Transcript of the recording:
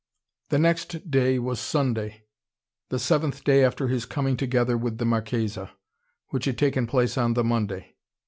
The next day was Sunday the seventh day after his coming together with the Marchesa which had taken place on the Monday.